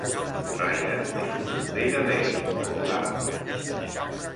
Ryan és un bomber de Vail, Colorado.